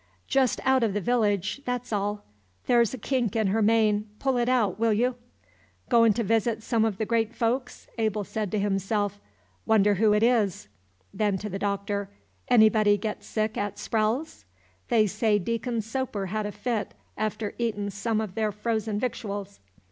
"Just out of the village, that 's all. There 's a kink in her mane, pull it out, will you?" "Goin' to visit some of the great folks," Abel said to himself. "Wonder who it is." Then to the Doctor, "Anybody get sick at Sprowles's? They say Deacon Soper had a fit, after eatin' some o' their frozen victuals."